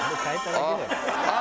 ああ！